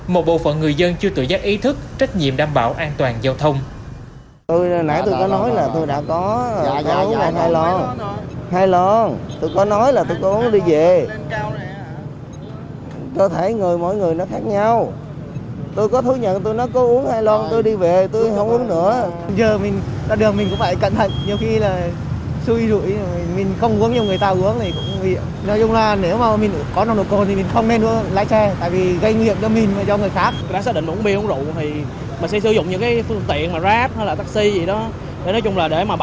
một bộ phận người dân chưa tự giác ý thức trách nhiệm đảm bảo an toàn giao thông